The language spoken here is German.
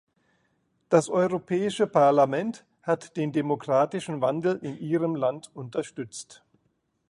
Das Europäische Parlament hat den demokratischen Wandel in Ihrem Land unterstützt.